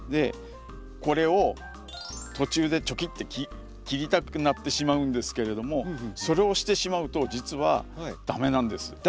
これを途中でチョキって切りたくなってしまうんですけれどもそれをしてしまうと実は駄目なんです。